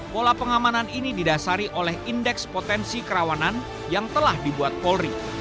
pola pengamanan ini didasari oleh indeks potensi kerawanan yang telah dibuat polri